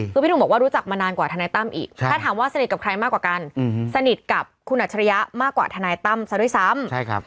คือพี่หนุ่มบอกว่ารู้จักมานานกว่าทนายตั้มอีกถ้าถามว่าสนิทกับใครมากกว่ากันสนิทกับคุณอัจฉริยะมากกว่าทนายตั้มซะด้วยซ้ำ